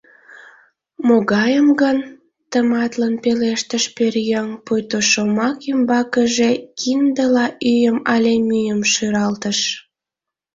— Могайым гын? — тыматлын пелештыш пӧръеҥ, пуйто шомак ӱмбакыже киндыла ӱйым але мӱйым шӱралтыш.